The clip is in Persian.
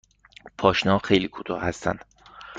پاشنه ها خیلی کوتاه هستند.